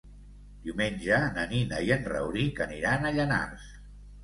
Diumenge na Nina i en Rauric aniran a Llanars.